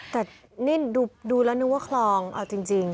แต่นี่ดูแล้วนึกว่าคลองเอาจริง